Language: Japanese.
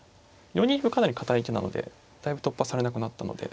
４二歩かなり堅い手なのでだいぶ突破されなくなったので。